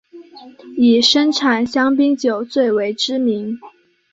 以生产香槟酒最为知名。